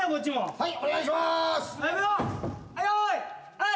はい。